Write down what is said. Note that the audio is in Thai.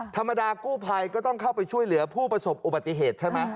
ธรรมดากู้ภัยก็ต้องเข้าไปช่วยเหลือผู้ประสบอุบัติเหตุใช่ไหม